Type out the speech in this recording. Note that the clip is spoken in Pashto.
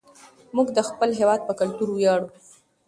موږ د خپل هېواد په کلتور ویاړو.